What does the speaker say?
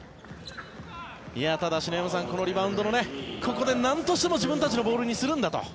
ただ、篠山さんこのリバウンドのここでなんとしても自分たちのボールにするんだと。